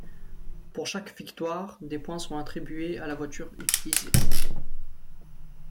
Pour chaque victoire, des points sont attribués à la voiture utilisée.